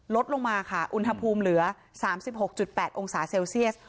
ลดลงมาค่ะอุณหภูมิเหลือ๓๖๘องศาเซลเซียส